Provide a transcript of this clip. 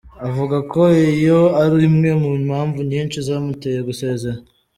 Avuga ko iyo ari imwe mu mpamvu nyinshi zamuteye gusezera.